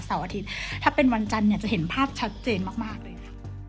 เสาร์อาทิตย์ถ้าเป็นวันจันทร์เนี้ยจะเห็นภาพชัดเจนมากมากเลย